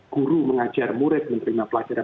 guru mengajar murid menerima pelajaran